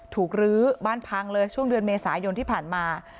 รื้อบ้านพังเลยช่วงเดือนเมษายนที่ผ่านมา